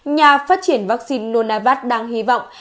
nhà phát triển vắc xin nonavax đang hy vọng